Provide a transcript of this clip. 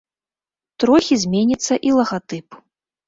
Трохі зменіцца і лагатып.